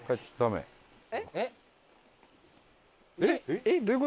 えっ？